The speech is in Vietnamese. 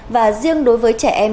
và riêng đối với trẻ em